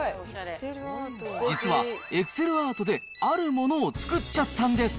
実は、Ｅｘｃｅｌアートであるものを作っちゃったんです。